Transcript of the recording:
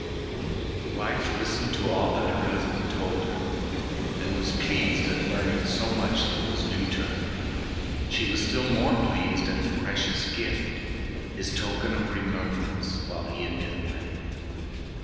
The wife listened to all her husband told her, and was pleased at learning so much that was new to her. She was still more pleased at the precious gift—his token of remembrance while he had been away.